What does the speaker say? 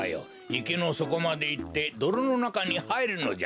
いけのそこまでいってどろのなかにはいるのじゃ。